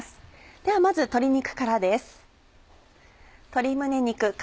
ではまず鶏肉からです。